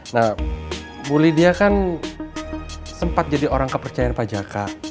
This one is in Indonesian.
nah bu lydia kan sempat jadi orang kepercayaan pajakak